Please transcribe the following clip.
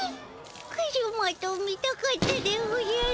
カジュマと見たかったでおじゃる。